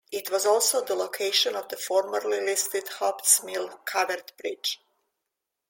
It was also the location of the formerly listed Haupt's Mill Covered Bridge.